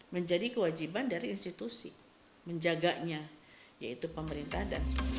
menjadi kewajiban dari institusi menjaganya yaitu pemerintah dan swasta